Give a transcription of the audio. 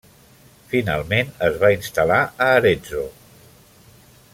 Finalment es va instal·lar a Arezzo.